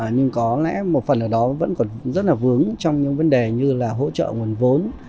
nhưng có lẽ một phần ở đó vẫn còn rất là vướng trong những vấn đề như là hỗ trợ nguồn vốn